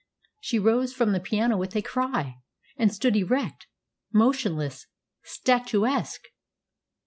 She rose from the piano with a cry, and stood erect, motionless, statuesque.